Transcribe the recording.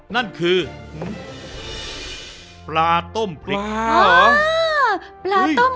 นั่นคือปลาต้มพริก